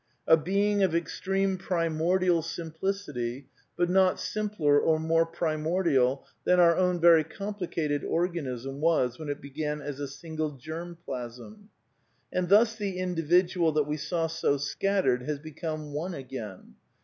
A be ing of extreme primordial simplicity, but not simpler or more primordial than our own very complicated organism was when it began as a single germ plasm. And thus the Individual that we saw so scattered has become one again.